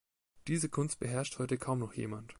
Diese Kunst beherrscht heute kaum noch jemand.